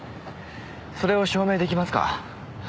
それを証明出来ますか？